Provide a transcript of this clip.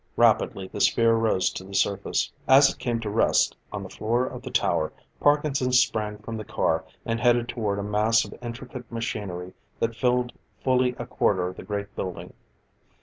Rapidly the sphere rose to the surface. As it came to rest on the floor of the tower, Parkinson sprang from the car, and headed toward a mass of intricate machinery that filled fully a quarter of the great building.